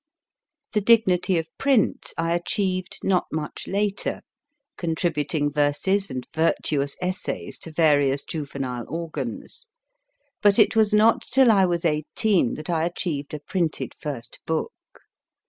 The dignity of print I achieved not much later, contribut ing verses and virtuous essays to various juvenile organs. But it was not till I was eighteen that I achieved a printed first book.